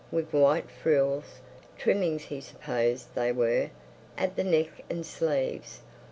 —with white frills, trimmings he supposed they were, at the neck and sleeves.